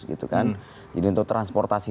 gitu kan jadi untuk transportasi